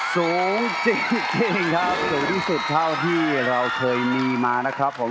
สูงที่สุดเท่าที่เราเคยมีมานะครับผม